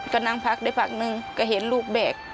ก็นั่งพักได้พักนึงก็เห็นลูกแบก